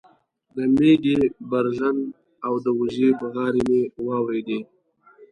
د مېږې برژن او د وزې بغارې مې واورېدې